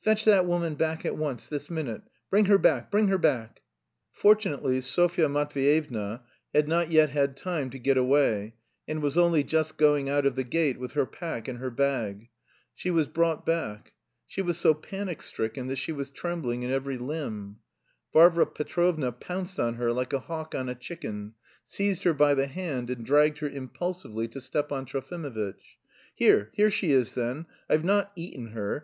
"Fetch that woman back at once, this minute. Bring her back, bring her back!" Fortunately Sofya Matveyevna had not yet had time to get away and was only just going out of the gate with her pack and her bag. She was brought back. She was so panic stricken that she was trembling in every limb. Varvara Petrovna pounced on her like a hawk on a chicken, seized her by the hand and dragged her impulsively to Stepan Trofimovitch. "Here, here she is, then. I've not eaten her.